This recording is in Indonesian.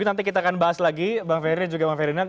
nanti kita akan bahas lagi bang ferry dan juga bang ferdinand